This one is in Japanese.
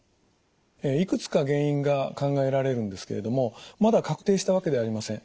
いくつか原因が考えられるんですけれどもまだ確定したわけではありません。